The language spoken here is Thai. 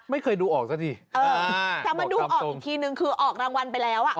ไม่เคยดูออกซะทีแต่มาดูออกอีกทีนึงคือออกรางวัลไปแล้วอ่ะ